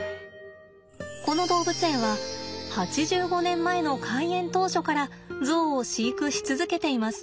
この動物園は８５年前の開園当初からゾウを飼育し続けています。